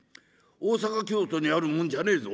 大坂京都にあるもんじゃねえぞ。